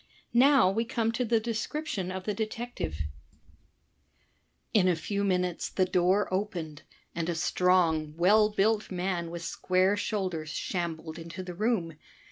Now we come to the description of the detective: In a few minutes the door opened and a strong, well built man with square shoulders shambled into the room.